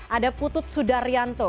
ada putut sudaryanto